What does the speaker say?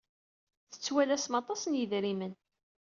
Tettwalasem aṭas n yidrimen.